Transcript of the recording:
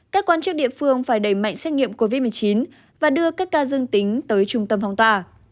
các quan chức địa phương phải đẩy mạnh xét nghiệm covid một mươi chín và đưa các ca dương tính tới trung tâm phong tỏa